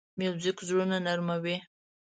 موزیک زړونه نرمه وي.